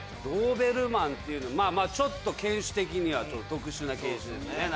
ドーベルマンっていうまあまあちょっと犬種的には特殊な犬種ですね。